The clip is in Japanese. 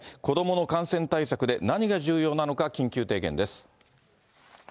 子どもの感染対策で何が重要なのか、緊急提言です。